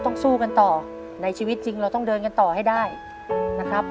ต้องสู้กันต่อในชีวิตจริงเราต้องเดินกันต่อให้ได้นะครับ